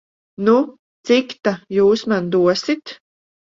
Nu, cik ta jūs man dosit?